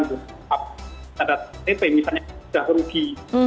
tidak ada tp misalnya sudah rugi